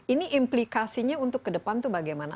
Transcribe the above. ini implikasinya untuk kedepan tuh bagaimana